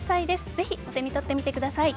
ぜひお手に取ってみてください。